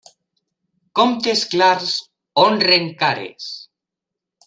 Comptes clars honren cares.